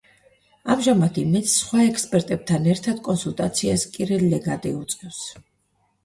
ამჟამად „იმედს“ სხვა ექსპერტებთან ერთად კონსულტაციას კირილ ლეგატი უწევს.